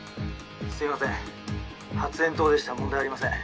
すいません発煙筒でした問題ありません。